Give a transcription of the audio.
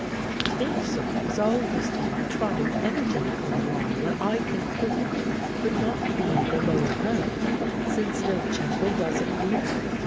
The good soul was all this time trotting energetically along what I concluded could not be the lower road, since no chapel was in view.